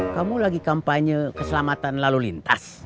kamu lagi kampanye keselamatan lalu lintas